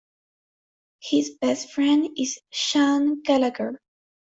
His best friend is Sean Gallagher.